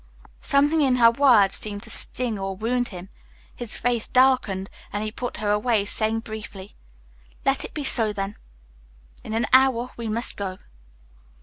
Something in her words seemed to sting or wound him. His face darkened, and he put her away, saying briefly, "Let it be so then. In an hour we must go."